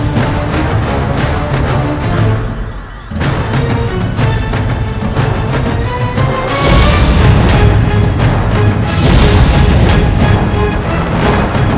jangan coba coba menyentuh kudang kembar itu